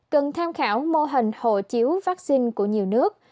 cần tham khảo mô hình hộ chiếu vaccine của nhiều nước